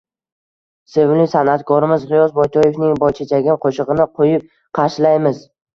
Sevimli sanʼatkorimiz Gʻiyos Boytoyevning “Boychechagim” qoʻshigʻini qoʻyib qarshilaymiz.